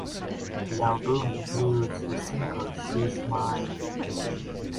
The album includes the single "She’s Mine".